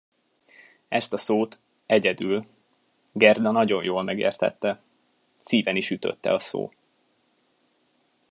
Ezt a szót: egyedül, Gerda nagyon jól megértette, szíven is ütötte a szó.